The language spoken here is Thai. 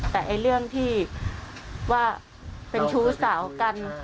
แต่เรื่องที่ว่าเป็นชู้สาวกัน